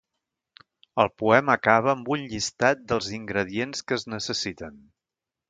El poema acaba amb un llistat dels ingredients que es necessiten.